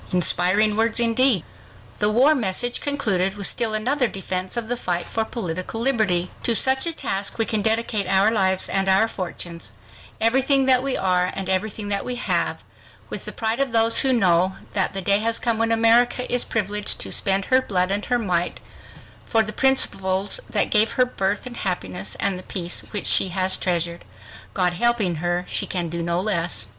Inspiring words indeed! The war message concluded with still another defense of the fight for political liberty: "To such a task we can dedicate our lives and our fortunes, everything that we are and everything that we have, with the pride of those who know that the day has come when America is privileged to spend her blood and her might for the principles that gave her birth and happiness and the peace which she has treasured. God helping her, she can do no less."